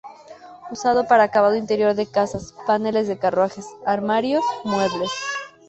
Usado para acabado interior de casas, paneles de carruajes, armarios, muebles.